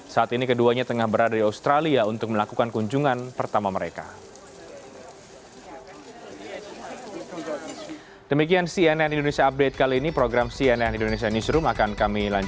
saat ini keduanya tengah berada di australia untuk melakukan kunjungan pertama mereka